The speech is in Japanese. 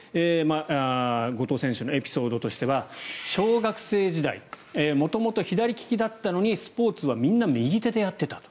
後藤選手のエピソードとしては小学生時代元々左利きだったのにスポーツはみんな右手でやっていたと。